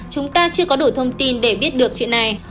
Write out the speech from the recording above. chúng ta chưa có đủ thông tin để biết được chuyện này